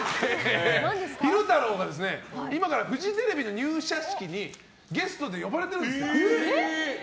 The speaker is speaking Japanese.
昼太郎が今からフジテレビの入社式にゲストで呼ばれてるんです。